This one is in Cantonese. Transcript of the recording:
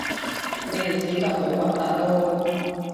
你哋跳得好核突囉